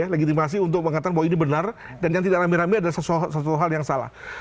legitimasi untuk mengatakan bahwa ini benar dan yang tidak rame rame adalah suatu hal yang salah